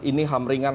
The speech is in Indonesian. ini ham ringan